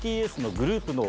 グループは。